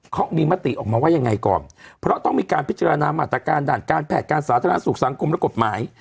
เขามีมติออกมาว่ายังไงก่อนเพราะต้องมีการพิจารณามาตรการด่านการแพทย์การสาธารณสุขสังคมและกฎหมาย